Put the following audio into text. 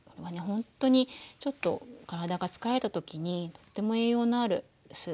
ほんとにちょっと体が疲れた時にとても栄養のあるスープです。